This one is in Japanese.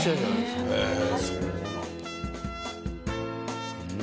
へえそうなんだ。